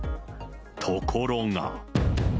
ところが。